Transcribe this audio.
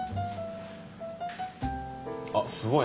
あっすごい。